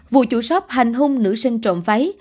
vụ chủ shop hành hung nữ sinh trộm váy